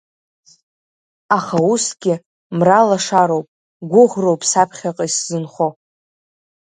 Аха усгьы мра лашароуп, гәыӷроуп саԥхьаҟа исзынхо.